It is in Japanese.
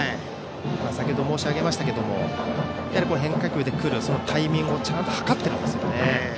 先程申し上げましたけども変化球で来るタイミングをちゃんと計ってるんですね。